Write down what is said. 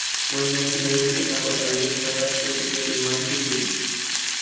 মহেন্দ্র অস্থির হইয়া বলিত, চাকর-দাসীগুলাকে না কাজ করিতে দিয়া তুমি মাটি করিবে দেখিতেছি।